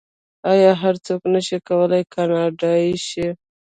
آیا هر څوک نشي کولی کاناډایی شي؟